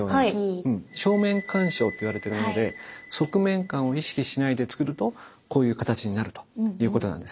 「正面鑑賞」といわれてるもので側面感を意識しないでつくるとこういう形になるということなんですね。